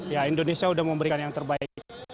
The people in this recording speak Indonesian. ya indonesia sudah memberikan yang terbaik